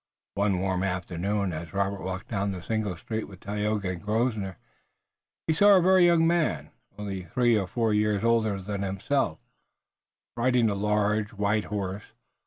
One warm afternoon as Robert walked down the single street with Tayoga and Grosvenor, he saw a very young man, only three or four years older than himself, riding a large, white horse.